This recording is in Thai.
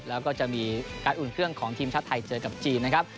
แล้วก็จะมีการอุ่นเครื่องของทีมชาติไทยเจอกับจีนนะครับ